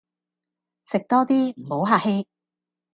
食多啲，唔好客氣